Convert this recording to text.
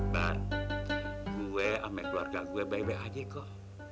bar gue sama keluarga gue baik baik aja kok